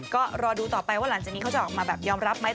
ก็รอดูต่อไปว่าหลังจากนี้เขาจะออกมาแบบยอมรับไหม